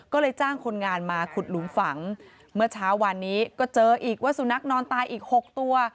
ก็เลยจ้างคนงานมาขุดหลุมฝังเมื่อเช้าวานนี้ก็เจออีกว่าสุนัขนอนตายอีกหกตัว